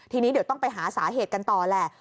ทีนี้เดี๋ยวต้องไปหาสาเหตุกันต่อแหละ